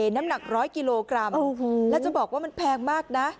น้ำหนัก๑๐๐กิโลกรัมแล้วจะบอกว่ามันแพงมากนะ